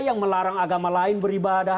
yang melarang agama lain beribadah